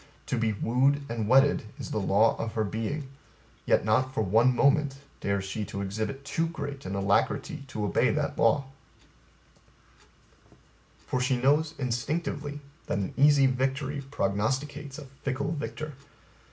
To be wooed and wedded is the law of her being, yet not for one moment dares she to exhibit too great an alacrity to obey that law; for she knows instinctively that an easy victory prognosticates a fickle victor.